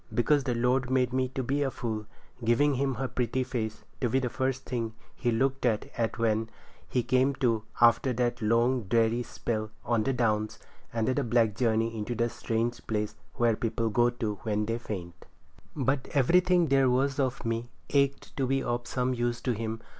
Because the Lord made me to be a fool—giving him her pretty face to be the first thing he looked at when he come to after that long, dreary spell on the Downs, and that black journey into the strange place where people go to when they faint. But everything that there was of me ached to be of some use to him.